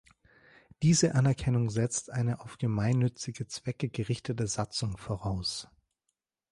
Diese Anerkennung setzt eine auf gemeinnützige Zwecke gerichtete Satzung voraus.